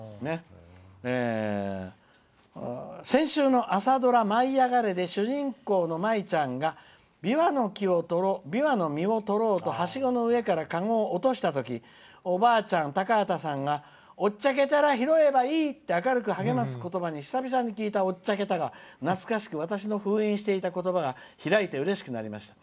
「先週の朝ドラ「舞いあがれ！」で主人公の舞ちゃんがびわの実をとろうとはしごの上から籠を落としたときおばあちゃんの高畑さんがおっちゃけたら拾えばいいって明るく励ます言葉に久々に聴いたおっちゃけたが私の封印していた言葉が開いてうれしくなりました。